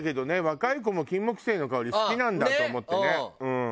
若い子もキンモクセイの香り好きなんだと思ってね。